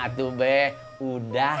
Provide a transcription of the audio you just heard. atuh be udah